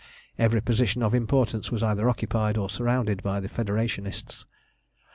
Every position of importance was either occupied or surrounded by the Federationists.